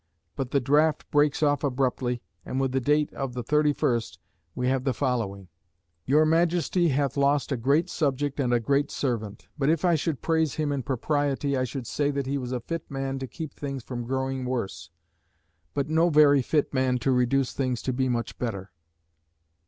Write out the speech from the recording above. But the draft breaks off abruptly, and with the date of the 31st we have the following: "Your Majesty hath lost a great subject and a great servant. But if I should praise him in propriety, I should say that he was a fit man to keep things from growing worse, but no very fit man to reduce things to be much better.